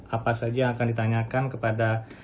apa saja yang akan ditanyakan kepada